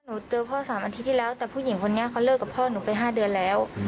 เจอพ่อ๓อาทิตย์ที่แล้วแต่ผู้หญิงคนนี้เขาเลิกกับพ่อหนูไป๕เดือนแล้ว